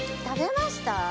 食べました？